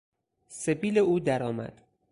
سبیل او در آمد.